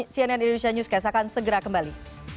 cnn indonesia newscast akan segera kembali